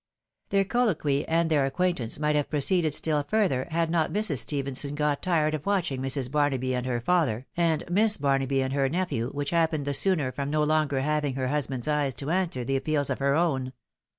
Their colloquy and their acquaintance might have proceeded stm further had not Mrs. Stephenson got tired of watching Mrs. Bamaby and her father, and Miss Bamaby and her nephew, which happened the sooner from no longer having her husband's eyes to answer the appeals of her own.